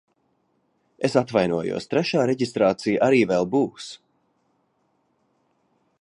Es atvainojos, trešā reģistrācija arī vēl būs!